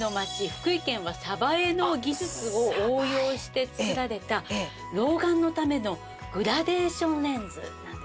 福井県は江の技術を応用して作られた老眼のためのグラデーションレンズなんです。